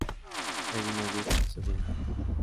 Gallina vieja hace buen caldo